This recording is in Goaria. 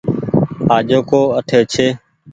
آجو ڪو اٺي ڇي ۔